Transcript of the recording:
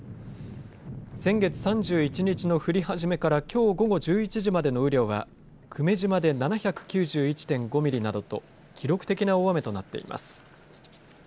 先月３１日の降り始めからきょう午後１１時までの雨量は久米島で７９１・５ミリなどと記録的な大雨となっています。